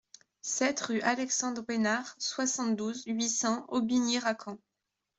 sept rue Alexandre Besnard, soixante-douze, huit cents, Aubigné-Racan